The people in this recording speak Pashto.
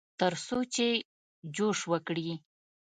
ترڅو چې جوښ وکړي.